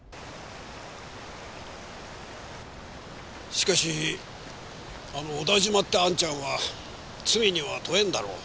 しかしあの小田嶋ってあんちゃんは罪には問えんだろう。